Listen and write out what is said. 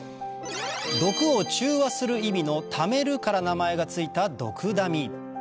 毒を中和する意味の「矯める」から名前が付いたドクダミ